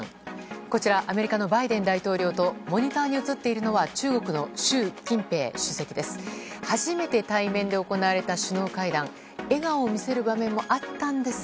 こちらアメリカのバイデン大統領とモニターに映っているのは中国の習近平主席です。